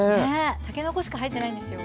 たけのこしか入ってないんですよ。